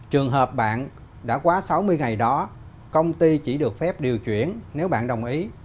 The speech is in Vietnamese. trường hợp bạn đã quá sáu mươi ngày đó công ty chỉ được phép điều chuyển nếu bạn đồng ý